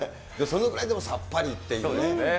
そのぐらいでもさっぱりっていうね。